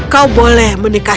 kau boleh menikmati